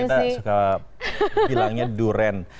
kita suka bilangnya durian